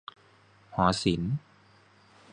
หอศิลป์